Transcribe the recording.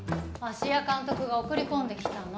芦屋監督が送り込んできたの。